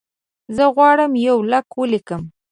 زه غواړم یو لیک ولیکم.